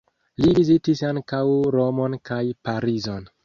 Li vizitis ankaŭ Romon kaj Parizon.